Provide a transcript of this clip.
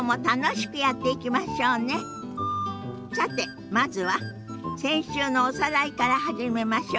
さてまずは先週のおさらいから始めましょ。